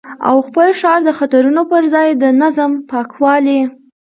او خپل ښار د خطرونو پر ځای د نظم، پاکوالي